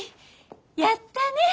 やったね！